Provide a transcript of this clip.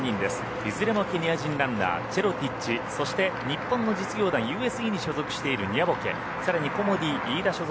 いずれもケニア人ランナーチェロティッチそして、日本の実業団に所属しているニャボケさらにコモディイイダ所属